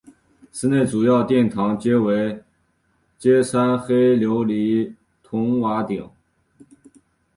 寺内主要殿堂皆为歇山黑琉璃筒瓦顶。